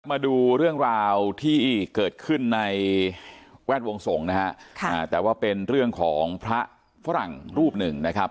มาดูเรื่องราวที่เกิดขึ้นในแวดวงสงฆ์นะฮะค่ะแต่ว่าเป็นเรื่องของพระฝรั่งรูปหนึ่งนะครับ